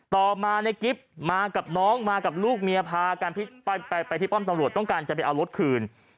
ต่อมาในกิฟต์มากับน้องมากับลูกเมียพากันไปที่ป้อมตำรวจต้องการจะไปเอารถคืน